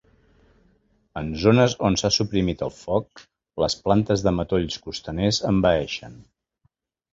En zones on s'ha suprimit el foc, les plantes de matolls costaners envaeixen.